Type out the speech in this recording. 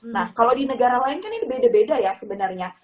nah kalau di negara lain kan ini beda beda ya sebenarnya